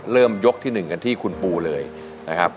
เริ่มยกที่หนึ่งกันที่คุณปูเลยนะครับ